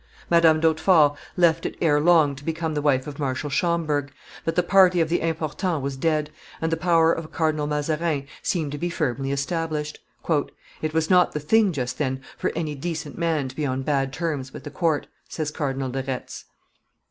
Madame d'Hautefort left it ere long to become the wife of Marshal Schomberg; but the party of the Importants was dead, and the power of Cardinal Mazarin seemed to be firmly established. "It was not the thing just then for any decent man to be on bad terms with the court," says Cardinal de Retz.